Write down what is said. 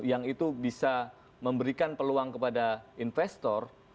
yang itu bisa memberikan peluang kepada investor untuk berusaha